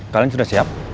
kalian sudah siap